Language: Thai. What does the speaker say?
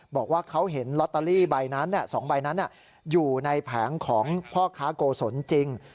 บอกว่าเขาเห็นลอตเตอรี่ใบนั้น๒ใบนั้นอยู่ในแผงของพ่อค้าโกศลจริง